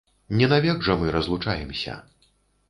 Не навек жа мы разлучаемся.